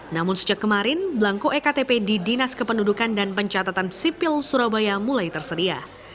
namun sejak kemarin belangko ektp di dinas kependudukan dan pencatatan sipil surabaya mulai tersedia